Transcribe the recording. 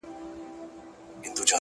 چي غمی یې وړﺉ نه را معلومېږي.